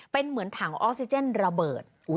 เป็นเหมือนถังออกซิเจนระเบิด